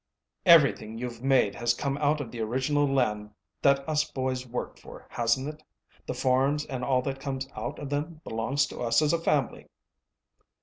"Everything you've made has come out of the original land that us boys worked for, hasn't it? The farms and all that comes out of them belongs to us as a family."